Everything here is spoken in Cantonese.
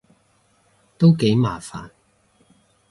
都幾麻煩